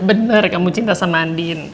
bener kamu cinta sama andin